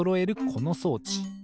この装置。